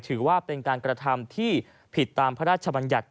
ถือว่าเป็นการกระทำที่ผิดตามพระราชบัญญัติ